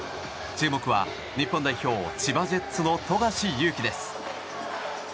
注目は日本代表千葉ジェッツの富樫勇樹です。